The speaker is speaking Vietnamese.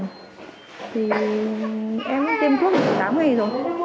thì em đã tiêm thuốc tám ngày rồi